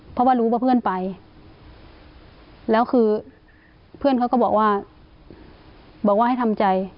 เพราะว่ารู้ว่าเพื่อนไปแล้วคือเพื่อนเขาก็บอกว่าบอกว่าให้ทำใจ